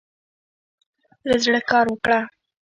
له زړۀ کار وکړه.